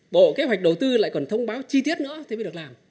bộ kế hoạch đầu tư lại còn thông báo chi tiết nữa thì mới được làm